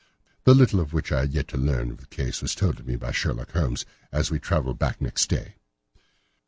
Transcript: The little which I had yet to learn of the case was told me by Sherlock Holmes as we travelled back next day.